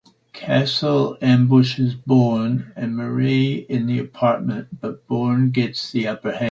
Castel ambushes Bourne and Marie in the apartment, but Bourne gets the upper hand.